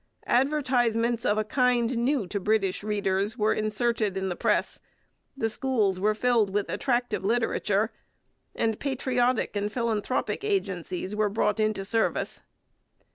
Advertisements of a kind new to British readers were inserted in the press, the schools were filled with attractive literature, and patriotic and philanthropic agencies were brought into service.